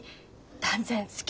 断然好き。